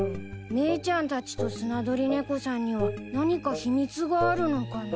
メイちゃんたちとスナドリネコさんには何か秘密があるのかな？